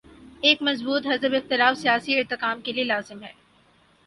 ایک مضبوط حزب اختلاف سیاسی ارتقا کے لیے لازم ہے۔